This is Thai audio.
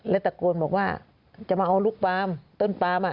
แล้วตะโกนบอกว่าจะมาเอาลูกปามต้นปามอ่ะ